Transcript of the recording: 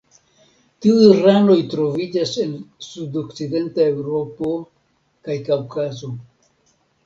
Tiuj ranoj troviĝas en sudokcidenta Eŭropo kaj Kaŭkazo.